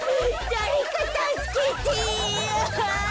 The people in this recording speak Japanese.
だれかたすけて。